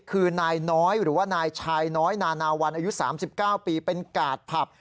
คือนายน้อยหรือว่านายชายน้อยนานาวันอายุ๓๙ปีเป็นกาดผับ